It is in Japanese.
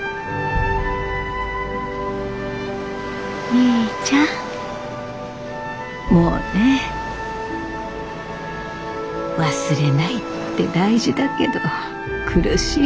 みーちゃんモネ忘れないって大事だけど苦しい。